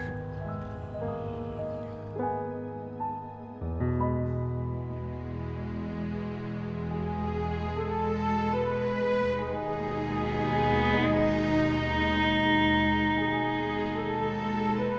ini memang ratuga